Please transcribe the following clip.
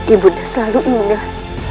ibu selalu ingat